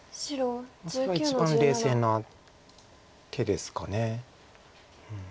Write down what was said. それは一番冷静な手ですか。